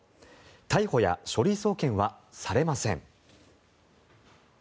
逮捕や書類送検はされません。